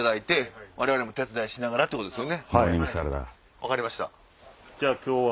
分かりました。